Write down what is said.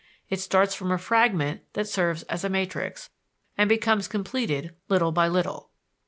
It starts from a fragment that serves as a matrix, and becomes completed little by little.